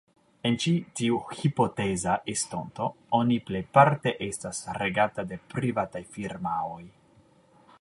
En ĉi tiu hipoteza estonto oni plejparte estas regata de privataj firmaoj.